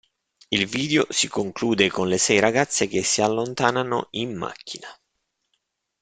Il video si conclude con le sei ragazze che si allontanano in macchina.